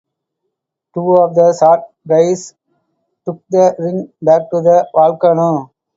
Two of the short guys took the ring back to the volcano.